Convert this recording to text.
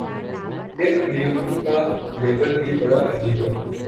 یہ اقلیتوں کا لیبل ہی بڑا عجیب ہے۔